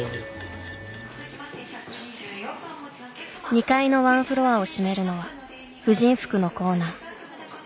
２階のワンフロアを占めるのは婦人服のコーナー。